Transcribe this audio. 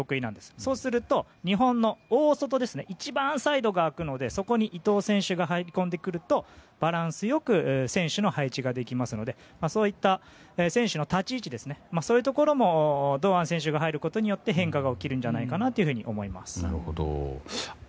そうすると、日本の大外一番サイドが空くのでそこに伊東選手が入り込んでくるとバランスよく選手の配置ができますのでそういった、選手の立ち位置も堂安選手が入ることによって変化が起きるんじゃないかと思います。